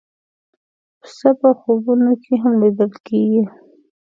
پسه په خوبونو کې هم لیدل کېږي.